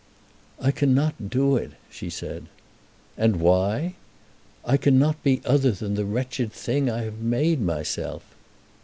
"I cannot do it," she said. "And why?" "I cannot be other than the wretched thing I have made myself."